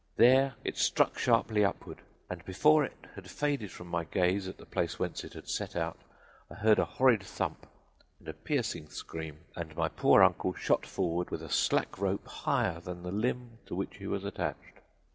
There it struck sharply upward, and before it had faded from my gaze at the place whence it had set out I heard a horrid thump and a piercing scream, and my poor uncle shot forward, with a slack rope higher than the limb to which he was attached.